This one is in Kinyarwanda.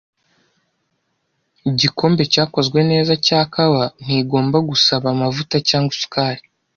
Igikombe cyakozwe neza cya kawa ntigomba gusaba amavuta cyangwa isukari.